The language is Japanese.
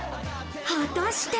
果たして。